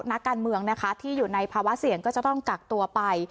นักการเมืองนะคะที่อยู่ในภาวะเสี่ยงก็จะต้องกักตัวไป